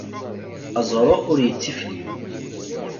Aẓru ur yettifliw.